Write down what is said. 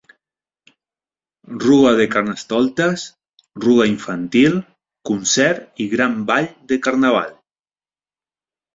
Rua de carnestoltes, rua infantil, concert i gran ball de carnaval.